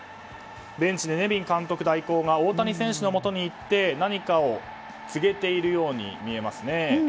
ベンチのネビン監督代行が大谷選手のもとにいって何かを告げているように見えますね。